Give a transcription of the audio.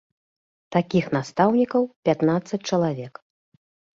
Такіх настаўнікаў пятнаццаць чалавек.